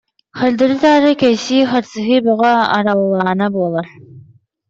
Хардары-таары кэйсии, харсыһыы бөҕө араллаана буолар